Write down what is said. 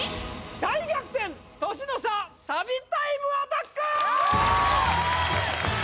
大逆転年の差サビタイムアタック！